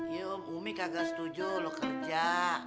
ya umi kagak setuju lo kerja